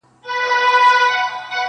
سپين گل د بادام مي د زړه ور مـات كړ.